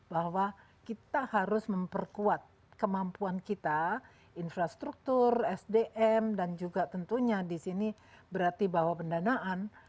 bahwa kita harus memperkuat kemampuan kita infrastruktur sdm dan juga tentunya di sini berarti bahwa pendanaan